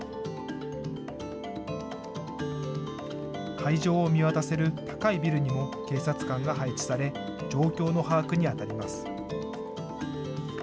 会場を見渡せる高いビルにも警察官が配置され、状況の把握に当たります。